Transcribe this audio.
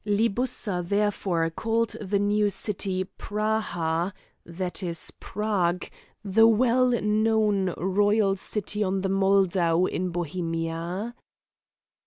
Libussa therefore called the new city Praha, that is Prague, the well known royal city on the Moldau in Bohemia.